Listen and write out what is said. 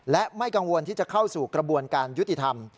และไม่กังวลที่จะเข้าสู่กระบวนการยุติธรรม